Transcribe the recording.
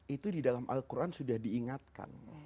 itu di dalam al quran sudah diingatkan